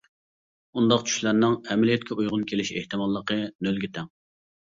ئۇنداق چۈشلەرنىڭ ئەمەلىيەتكە ئۇيغۇن كېلىش ئېھتىماللىقى نۆلگە تەڭ.